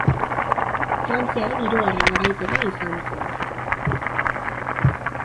Frantziaren hirugarren garaipena izan zen.